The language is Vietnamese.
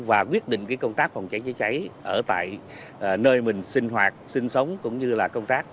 và quyết định công tác phòng cháy chữa cháy ở tại nơi mình sinh hoạt sinh sống cũng như là công tác